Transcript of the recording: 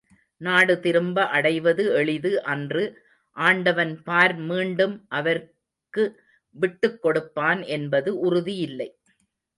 நாடு திரும்ப அடைவது எளிது அன்று ஆண்டவன் பார் மீண்டும் அவர்க்கு விட்டுக் கொடுப்பான் என்பது உறுதி இல்லை.